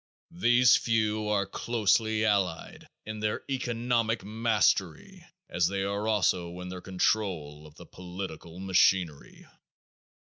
These few are closely allied in, their economic mastery as they are also in their control of the political machinery.